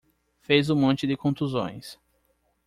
Fez um monte de contusões